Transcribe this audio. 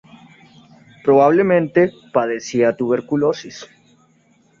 Probablemente, padecía tuberculosis.